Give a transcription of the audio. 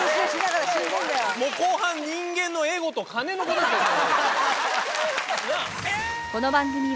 もう後半人間のエゴと金のことしか。